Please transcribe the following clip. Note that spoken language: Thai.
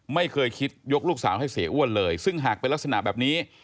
ไม่เคยคิดยกลูกสาวให้เสียอ้วนเลยซึ่งหากเป็นลักษณะแบบนี้